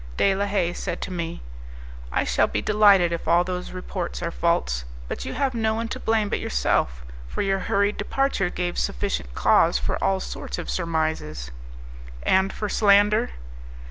De la Haye said to me, "I shall be delighted if all those reports are false; but you have no one to blame but yourself, for your hurried departure gave sufficient cause for all sorts of surmises." "And for slander."